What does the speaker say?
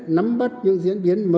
nắm bắt những diễn biến mới